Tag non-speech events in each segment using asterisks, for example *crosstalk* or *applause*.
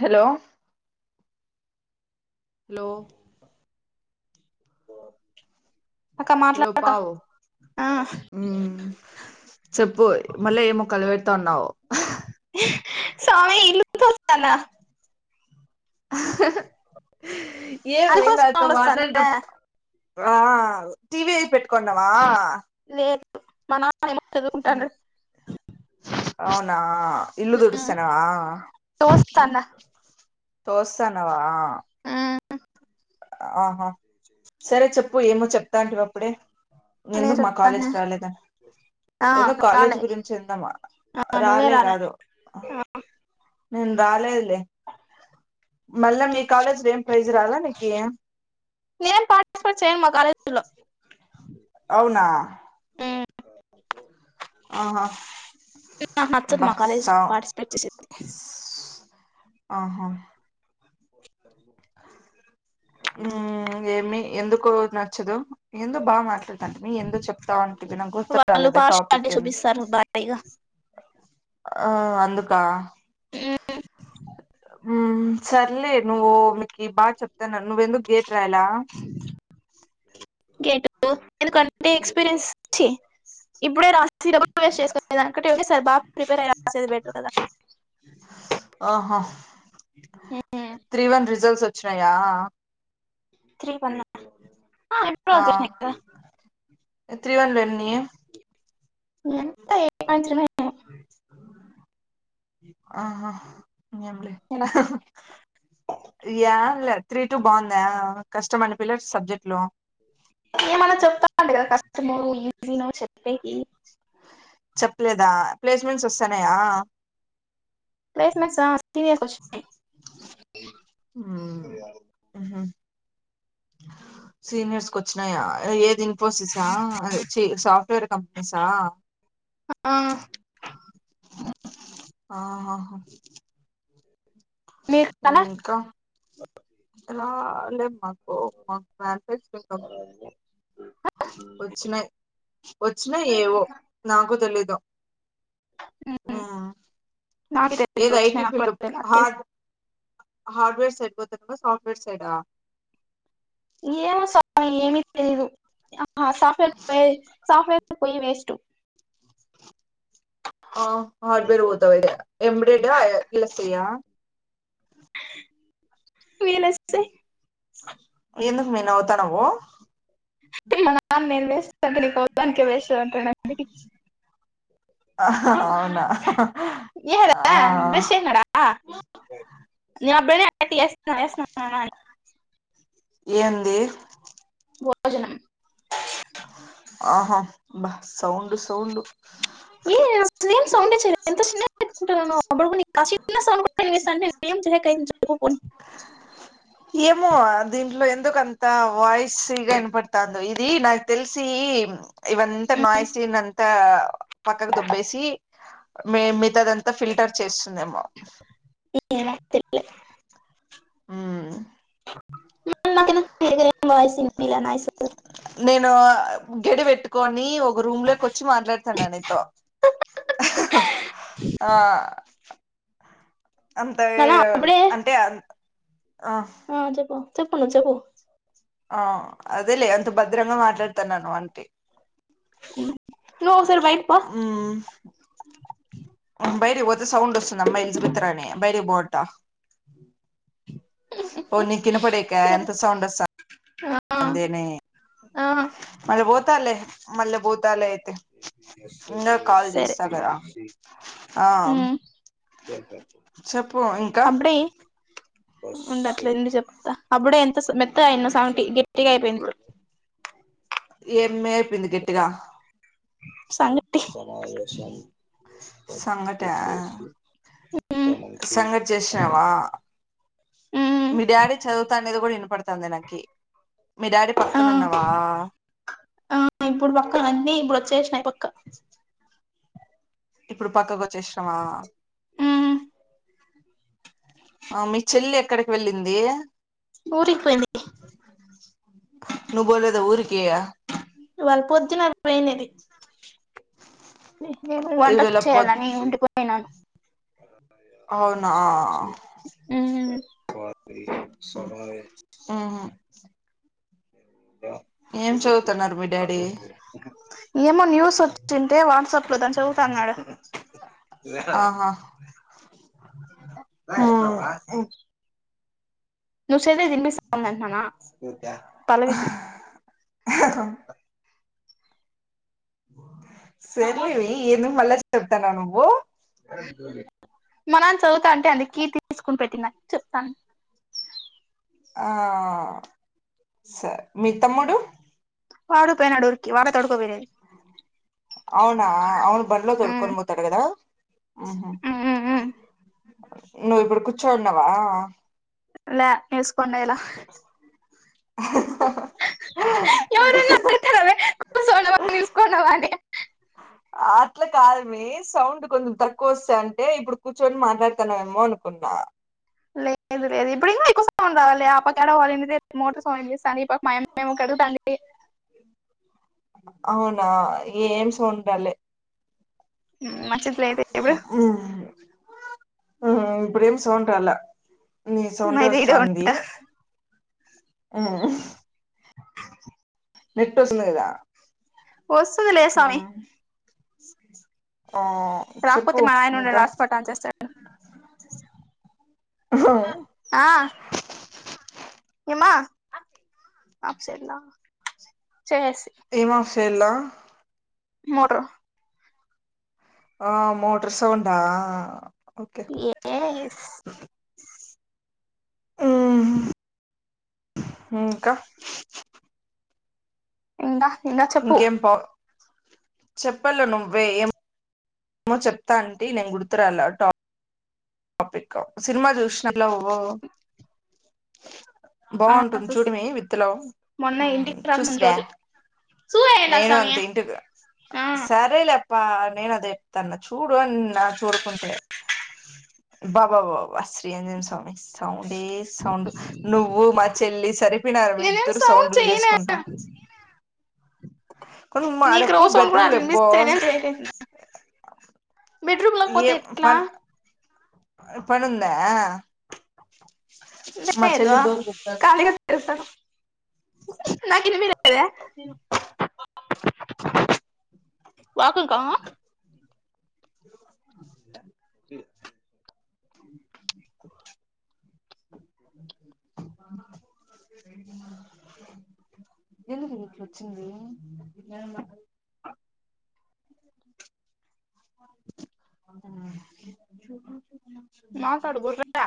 Hello hello *inaudible* hello మాట్లాడక పావు ఆ చెప్పు మళ్ళీ ఏం మొక్కలు పెడతా ఉన్నావు? సామి ఇల్లు *unintelligible* అది కూడా ఏమైంది ఆడితో సౌండ్ వస్తాందా మాట్లాడేటప్పుడు ఆ టీవీ అయి పెట్టుకున్నావా లేర్ మన వాళ్ళు ఏమో చదువుకుంటాండ్రు అవునా ఇల్లు తుడుస్తునావా తోస్తాందా తోస్తానవా హుమ్ ఆహా సరే చెప్పు ఏమో చెప్తా అంటేవి అప్పుడే నేను ఎందుకు మా కాలేజి చెప్తాను కి రాలేదని ఆ ఎందుకు కాలేజీ రాలే గురించి ఎందమా ఆ నువ్వే రాలే కాదు నేను రాలేదులే మళ్ళా మీ కాలేజీలో ఏం ప్రైజ్ రాలే నేను పాటిస్పే చేయను మా కాలేజి లో లో అవునా అ ఆహా నాకు నచ్చదు మా కాలేజీ బస్సా పార్టిసిపేట్ చేసేది ఆహా కో హ ఏమి ఎందుకు నచ్చదు ఎందొ బాగా మాట్లాడు అంనీ ఎందుకు చెప్తాంటేవి నాకు గుర్తు వాళ్ళు రాలేదా పార్షాలిటీ టాపిక్ ఎదో చూపిస్తారు భారీగా ఆ అందుకా హుమ్ హుమ్ సర్లే నువ్వు మీకు బాగా చెప్తాన నువేందుకు గేట్ రాయలా గట్ ఎందుకంటే ఎక్స్పీరియన్స్ చి ఇప్పుడే రా సీరబ వేస్ట్ చేసుకో దాక ఒకేసారి బాబ ప్రిపేర్ అయేది బెటరు కదా ఆహా చ్చయా త్రీ పన్న ఆ ఎప్పుడుచ్చ కదా ఎ త్రి వన్లని ఎంత ఏ పాత్రనో ఆహా ఇంగేమ్లే ఇలా యా త్రీ టు బాగుందా కష్టం అనిపియాల ఆ సబ్జెక్ట్ లు ఏమన్నా చెప్తామండి కదా కష్టమరు ఈజీనో చెప్పేకి చెప్పలేదా ప్లేస్మెంట్స్ వస్తాన్నాయా పెస్ మస్సా తినేసి వచ్చా ఉమ్ సీనియర్స్కి వచ్చినాయా ఏదిం ఇన్ఫోసిస సాఫట్వేర్ కపెనీసా ఆ, ఆహా మీరు ఉ కదా ఇంకా లా లే మా ఓహో *unintelligible* వచ్చినాయి వచ్చినాయి ఏవో నాకు తెలీదు ఉ ఉమ్, నాకే తెలియదు ఏది ఐటి వచ్చినాయి నాకు కూడా ఫీల్డ్ తెలియదు నాకు తెలుసు హార్డ్ హార్డ్వేర్ సైడ్ బతు సాఫట్వేర్ సైడ ఏమో సాయి ఏమి తెలీదు ఆ సాఫ్ట్వేర్ పో సాఫ్ట్వేర్ పోయి వేస్ట్ ఆ హార్డ్వేర్ ఓతవ అయితే ఎబ్రైడ్ ఇలాసయ వీలైతే ఎందుకు మే నవ్వుతున్నావు మాన మెందే *unintelligible* అవునా ఆ *unintelligible* ఏంది భోజనం ఆహ బ సౌండు సౌండు సౌండె చేయలే, ఎంత చిన్నగా పెట్టుకున్నానో *unintelligible* అందుకంత వయిస్ ఇగ ఇనపడతా ఉంది ఇది నాకు తెలిసి ఇవంతా నాయిసిన్ అంతా పక్కకు దుబ్బేసి మితాదంతా ఫిల్టర్ చేస్తు *inaudible* ఏం లే తినాలా ఆ వాయిస్ వినిపియాల నేను గెడి పెట్టుకొని ఒక రూమ్ లోకి వచ్చి మాట్లాడతాను నీతో ఆ అంత నానా అప్పుడే అంటే అ ఆ చెప్పు నువ్వు చెప్పు ఆ అదేలే అంత భద్రంగా మాట్లాడుతన్నాను అంటి నువ్వు ఒకసారి బయట పో ఉ బయట పోతే సౌండ్ వస్తుంది అమ్మ ఎలిజిబెత్ రాణి బయట పో త పో నీకు వినపడేకా సరే అంత సౌండ్ ఆ, వస్తాంది ఆ, మళ బ తలే మల్ల పోతాలే ఇంగా కాల్ సరే చేస్తా కదా ఆ ఉ చెప్పు ఇంకా అప్పుడే ఉండ అట్లేందుడి చెప్తా అప్పుడే ఎంత మెత్త అయిన సాంగటి గట్టిగా అయిపోయింది ఏం అయిపోయింది గట్టిగా సంగటి సంగట ఉమ్, సంగటి చేసినావా ఉమ్, మీ డాడీ చదువుతాను వినపడుతూ నకి మీ డాడీ ఆ, పక్కన ఉన్నవా ఇప్పుడు పక్కన అన్నీ ఇప్పుడు వచ్చేసినాయి పక్క ఇప్పుడు పక్కకు వచ్చేసినవ ఉమ్. ఆ మీ చెల్లి ఎక్కడికి వెళ్ళింది ఊరికి పోయింది ను పోలేదా ఊరికి వాళ్ళు పొద్దున పోయినది వంట ఇవాళ పొద్ చేయాలని నా అవునా అ బ ఆ ఆ అ ఏం చదువుతున్నారు మీ డాడీ ఏమో న్యూస్ వచ్చింటే వాట్సాప్ లో దాని చదువుతాన్నాడు హా నువ్ సేదే దిన్ స్థాందంట నానా పల్లవికి ఓ సర్లివి ఏందో మళ్ళ చెప్తానా నువ్వు మా నాన చదువుతా అంటే అందుకీ తీసుకుని పెట్టిన చెప్తాను ఆ స మీ తమ్ముడు వాడు పోయినాడు ఓరికి వాళ్ళు అవునా అవును బండిలో తోడుకొని పోతాడు కదా నువ్వు ఇప్పుడు కూర్చోనవ లే ఎవరు *unintelligible* వని అట్లా కాదు మీ సౌండ్ కొంచెం తక్కువ వస్థంటే ఇప్పుడు కూర్చొని మాట్లాడుతాన్నావేమో అనుకున్నా లేదు లేదు ఇప్పుడు ఏమో ఎక్కువ సౌ *unintelligible* ఆపక్క ఏడ మోటర్ ఫోన్ చూస్తాంది ఈ పాపా మా యమ్మ మెమో కడుగుతాంది అవునా ఏం సౌండ్ రాలె హు మంచిగా *unintelligible* ఇప్పుడు హు ఇప్పుడు ఎం సౌండ్ రాలె అయితే ఇడే ఉంటా హు నెట్ వస్త లేది వస్తదిలే స్వామి ఆ చెప్పు రాకపోతే మా నాయన ఉండడు ఇంకా హాస్పర్ట్ ఆన్ చేస్తాడు ఆ ఏమ్మ చేసేసి ఎలా మోటరు ఆ మోటర్స్ సౌండా ఓకే ఎస్ ఆ ఇ ఇకా ఇంద నింద చెప్పు చెప్పల నువ్వే ఎం ఏమో చెప్తా అంటీ నేను గుర్తురాల టాప్ పిక సినిమా చూసి లావా నువ్వ ఆ బాగుంటుంది చూసి చూడుమే విత్తలో మొన్న ఇంటికి రాకముందు చూసివే రోజు చూయండి నేను స్వామి అంత ఇంటికి ఆ సరే లే బ నేను అది చెప్తాన్న చూడు అన్న చూడుకుంటే బాబా బ శ్రీ అంజనే స్వామి స్వా అే సౌండ్ నువ్వు మా చెల్లి సరిపోయినారు మి నేనేం ఇద్దరు సౌండ్ సౌండ్లు చేయలే చేసుకుంటా కొ మా నీకు ఆడపో రోజు సౌండ్ కూడా బెడ్రూమ్లు అట్లా ఇబో వినిపిస్తే బౌడ్ రూమ్ లోకి పోతే ఎట్ల ఎలా ఇ ప నుందా ద అతువా కార్ ల తెసా నాకిమిద వాకింకా ఇ ఎందు వీట్ వచ్చంది మాట్లాడు గుర్రా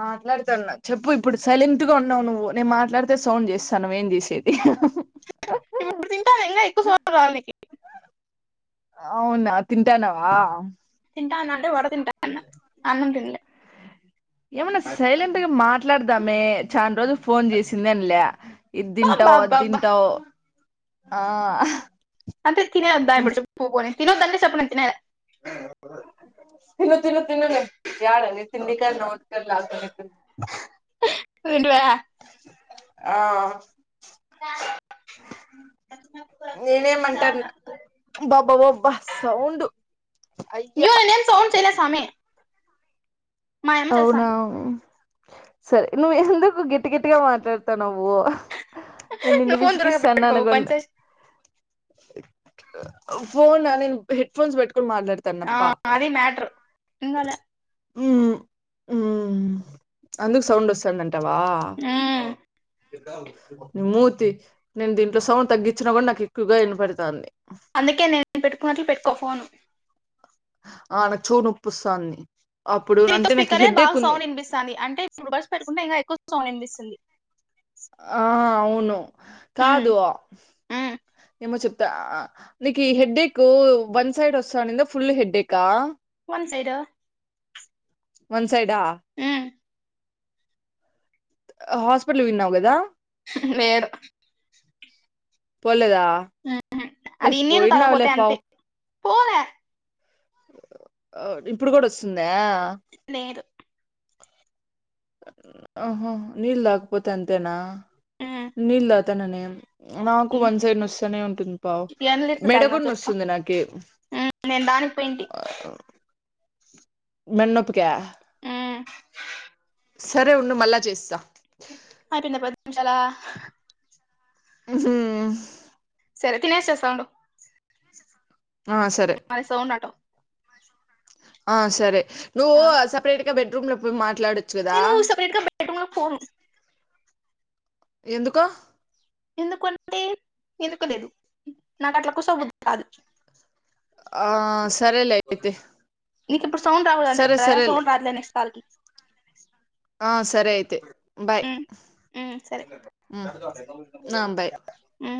మాట్లాడుతా ఉన్నా చెప్పు ఇప్పుడు సైలెంట్ గా ఉన్నావు నువ్వు నేను మాట్లాడితే సౌండ్ చేస్తానువ ఏం చేసేది ఇప్పుడు తింటాలే ఎల్లే చ కా నక అవునా తింటానవా తింట నంటే వడక్ తింట అన్న అన్నం తిన్లే ఏమన్నా సైలెంట్ గా మాట్లాడదామే చాన్ రోజులు ఫోన్ చేసింది అనిలే ఇ అబ్బా తింటావు అబ్బా అది అబ్బా తింటావు ఆ అంటే తినే యద్దా చిప్పుడు పోనే తినొద్దు అంటే చేప్పు నాకు తినయనే త తిను తిను నే యడ తిండి కి నోట్ కి నే లాగత ఏంటివే ఆ నేనేమంటాారు అయ్యో బాబ్బా బాబ్బా సౌండ్ అయ్యా సమె అవున అవు సరే నువ్ ఎందు నువ్వు గెట్టి గెట్టిగా మాట్లాడతన్నావు నేను నిన్ను నువ్వు ఫోన్ దూరంగా విసిగిస్తన్నా పెట్టుకో అనుకుం పని చేసి ఫోనా నేను హెడ్ ఫోన్స్ పెట్ ఆ అది మ్యాటర్ ఇంగాల ఊహు ఉ అందుకు సౌండ్ వస్తాందను టవా ని మూతి నేను దీంట్లో సౌండ్ తగ్గించ్చిన కూడా నాకు ఎక్కువగా వినపడతాంది అందుకే నేను పెట్టుకున్నట్లు పెట్టుకో ఫోను ఆ నాకు చొవ్వు నొప్పి వస్తాంది దీంట్లో స్పీకరే బాగా సౌండ్ ఇనిపిస్తాంది అంటే ఇప్పుడు బగ్స్ పెట్టుకుంటే ఇంగ ఎక్కువ సౌండ్ ఇనిపిస్తుంది ఆ అవును ఉమ్, కాదు ఉమ్, ఏమో చెప్ ప్తా నీకి హెడ్డేకు వన్ సైడ్ వస్తానింద ఫుల్ హెడ్డేకా వన్ సైడు వన్ చైడా హాస్పిటల్ విన్నావు గదా లేేరు పోలేదా వా ఏయ్ పోయినావ్ లే పౌ పోవే ఇప్పుడు కూడా వస్తుందా లేదు ఆహ నీళ్లు తాక్కపోతే అంతేనా ఉమ్, నీల్ తా తననే నాకు వన్ సైడ్ నస్తనే ఉంటుంది పావ్ ఎన్ని లీటర్లు మెడగుడ తాగినావు చెప్పు నొస్తుంది నాకి ఉమ్ నేను దానికి పోయింటి మెన్నొప్పిక్య ఆ సరే ఉండు మళ్ళా చేస్తా అయిపోయిందా పది నిమిషాలా ఉహు సరే తినేసి వస్తా ఉండు ఆ సరే మరి సౌండ్ అంటావ్ ఆ సరే నువ్వు ఆ సపరేట్ బెడ్ రూమ్ లో పోయి మాట్ నేను సపరేట్గా బెడ్రుూమ్ లో ఫోను ఎందుకో ఎందుకంటే ఎందుకు లేదు నాకు అట్లా కుసోబుద్ధి కాదు ఆ సరేలే అయితే ఇ ఇప్పు సౌండ్ రావట్లేదే సరే అంత సరేలే సౌండ్ రాట్లే నెక్స్ట్ కార్కి ఆ సర అయితే బాయ్ ఉమ్ ఉమ్ సరే నా బాయ్ ఉమ్